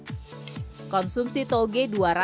baik untuk sel ovum wanita dan sperma pada pria